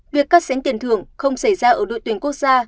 việc cắt xén tiền thưởng không xảy ra ở đội tuyển quốc gia